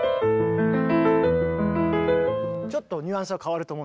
ちょっとニュアンスは変わると思う。